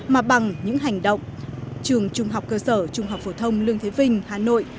mà bằng những hành động trường trung học cơ sở trung học phổ thông lương thế vinh hà nội